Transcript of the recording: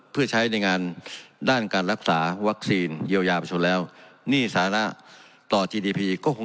เพื่อใช้ในงานด้านการรักษาวัคซีนเยียวยาประชาชนแล้วหนี้สาระต่อจีดีพีก็คง